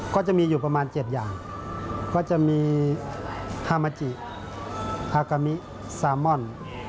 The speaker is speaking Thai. ก็จะมีอยู่ประมาณ๗อย่างก็จะมีฮามาจิฮากามิซามอน